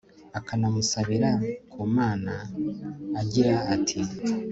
akanamusabira ku mana, agira ati